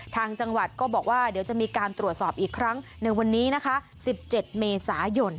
ทางจังหวัดก็บอกว่าเดี๋ยวจะมีการตรวจสอบอีกครั้งในวันนี้นะคะ๑๗เมษายน